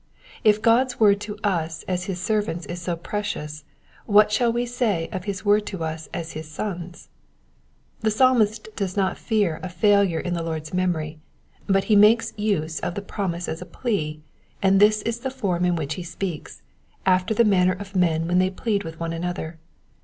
If Gud^s word to us as his servants is so precious, what shall we say of his word to us as his sons ? The Psalmist does not fear a failure in the Lord's memory, but he makes use of the promise as a plea, and this is the form in which he speaks, after the manner of men when they plead with one another.